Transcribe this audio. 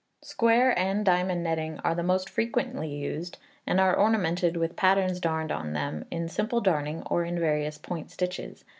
Square and diamond netting are the most frequently used, and are ornamented with patterns darned on them, in simple darning or in various point stitches.